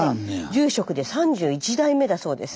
住職で３１代目だそうです。